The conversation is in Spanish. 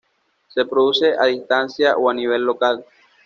Se produce a distancia o a nivel local.